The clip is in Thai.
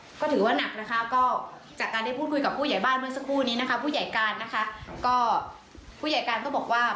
เมื่อสักครู่นี้นะคะผู้ใหญ่การนะคะก็ผู้ใหญ่การก็บอกว่า